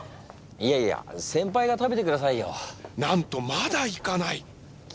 いやいや先輩が食べてください。